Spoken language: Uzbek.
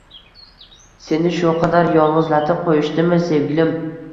Seni shu qadar yolg’izlatib qo’yishdimi sevgilim?